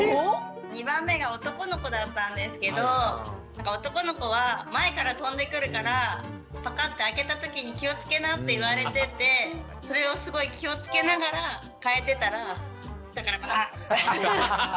２番目が男の子だったんですけど「男の子は前から飛んでくるからパカって開けた時に気をつけな」って言われててそれをすごい気をつけながら替えてたら下からバーンみたいな。